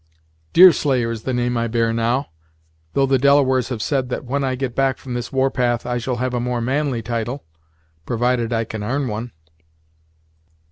"Deerslayer is the name I bear now, though the Delawares have said that when I get back from this war path, I shall have a more manly title, provided I can 'arn one."